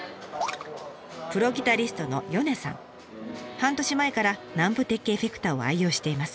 半年前から南部鉄器エフェクターを愛用しています。